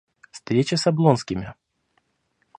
Встреча с Облонскими.